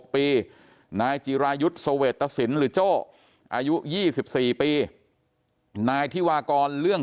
๕๖ปีนายจีรายุทธ์สเวตสินหรือโจ้อายุ๒๔ปีนายที่วากรเลื่อง